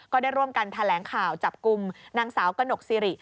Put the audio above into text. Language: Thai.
ก็ได้ร่วมกันแถลงข่าวจับกลุ่มนางสาวกระหนกสิริ